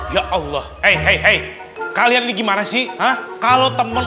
ya allah hei kalian ini gimana sih kalau temen